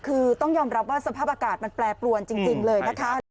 คือต้องยอมรับว่าสภาพอากาศมันแปรปรวนจริงเลยนะคะ